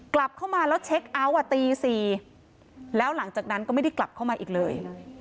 กลับเข้ามาแล้วเช็คเอาท์อ่ะตี๔แล้วหลังจากนั้นก็ไม่ได้กลับเข้ามาอีกเลย